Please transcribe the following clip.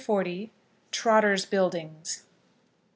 TROTTER'S BUILDINGS.